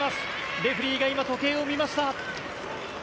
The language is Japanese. レフェリーが今、時計を見ました。